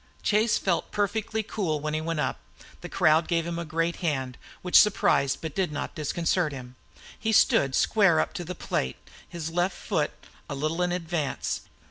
Chase felt perfectly cool when he went up. The crowd gave him a great hand, which surprised but did not disconcert him. He stood square up to the plate, his left foot a little in advance.